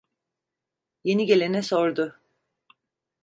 Yeni gelene sordu: